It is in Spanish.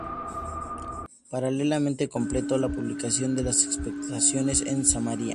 Paralelamente completó la publicación de las excavaciones en Samaria.